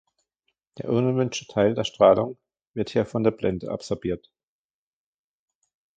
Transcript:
Der unerwünschte Teil der Strahlung wird hier von der Blende absorbiert.